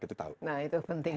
nah itu penting